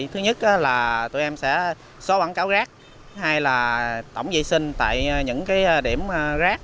thứ nhất là tụi em sẽ số bản cáo rác hay là tổng dây sinh tại những điểm rác